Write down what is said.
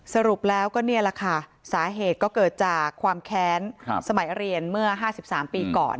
สรุปแล้วก็นี่แหละค่ะสาเหตุก็เกิดจากความแค้นสมัยเรียนเมื่อ๕๓ปีก่อน